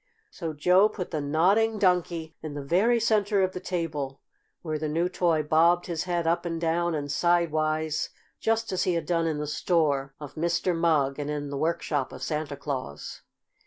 So Joe put the Nodding Donkey in the very center of the table, where the new toy bobbed his head up and down and sidewise, just as he had done in the store of Mr. Mugg and in the workshop of Santa Claus.